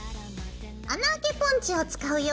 穴あけポンチを使うよ。